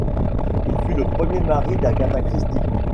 Il fut le premier mari d'Agatha Christie.